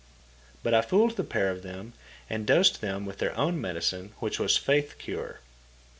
But I fooled the pair of them, and dosed them with their own medicine, which was faith cure.